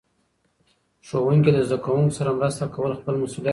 ښوونکي د زده کوونکو سره مرسته کول خپل مسؤلیت ګڼي.